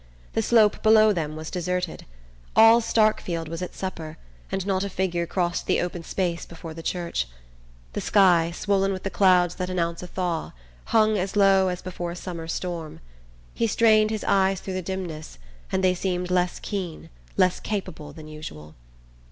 The slope below them was deserted. All Starkfield was at supper, and not a figure crossed the open space before the church. The sky, swollen with the clouds that announce a thaw, hung as low as before a summer storm. He strained his eyes through the dimness, and they seemed less keen, less capable than usual.